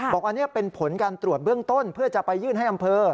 บอกอันนี้เป็นผลการตรวจเบื้องต้นเพื่อจะไปยื่นให้อำเภอ